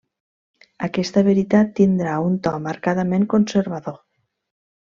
Aquesta veritat tindrà un to marcadament conservador.